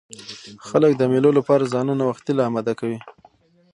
خلک د مېلو له پاره ځانونه وختي لا اماده کوي.